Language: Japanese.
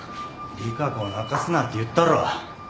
利佳子を泣かすなって言ったろ？